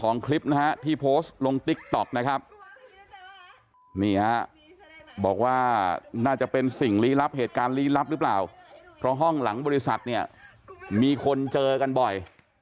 น่าจะเป็นนสิ่งลีลับเหตุการณลีลับหรือเปล่าเพราะห้องหลังบริษัทเนี่ยมีคนเจอกันบ่อย